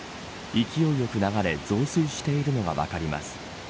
勢いよく流れ増水しているのが分かります。